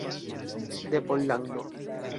De Pollando.